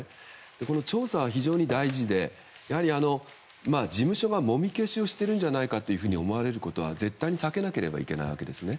この調査は非常に大事でやはり事務所がもみ消しをしているんじゃないかと思われることは絶対に避けなければならないわけですね。